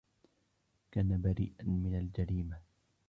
كان بريئاً من الجريمة.